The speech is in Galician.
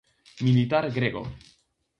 Militar grego.